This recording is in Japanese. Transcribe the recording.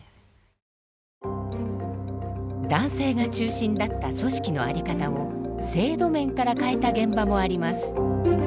男性が中心だった組織の在り方を制度面から変えた現場もあります。